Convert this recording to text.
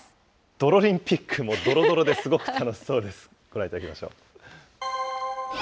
どろリンピック、もうどろどろですごく楽しそうです。